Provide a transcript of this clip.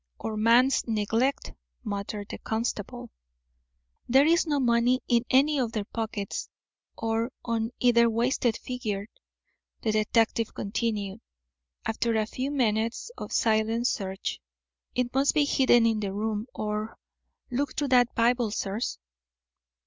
"Or man's neglect," muttered the constable. "There is no money in any of their pockets, or on either wasted figure," the detective continued, after a few minutes of silent search. "It must be hidden in the room, or look through that Bible, sirs."